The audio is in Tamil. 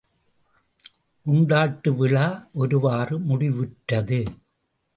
உண்டாட்டு விழா ஒருவாறு முடிவுற்றது.